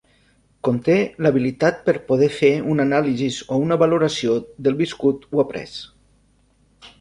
Conté l'habilitat per poder fer una anàlisi o una valoració del viscut o après.